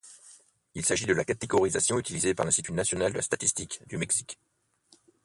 Il s'agit de la catégorisation utilisée par l'Institut national de la statistique du Mexique.